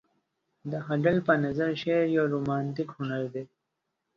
د هګل په نظر شعر يو رومانتيک هنر دى.